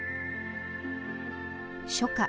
初夏。